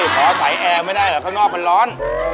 เฮ้ยขอใส้แอร์ไม่ได้หรอกข้างนอกมันร้อน